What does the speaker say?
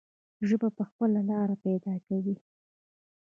ژبه به خپله لاره پیدا کوي.